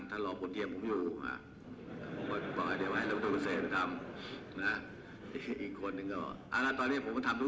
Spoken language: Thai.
ท่านรอบฝรั่งของผมอยู่